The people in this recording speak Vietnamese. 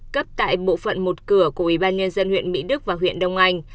cấp tại bộ phận một cửa của ủy ban nhân dân huyện mỹ đức và huyện đông anh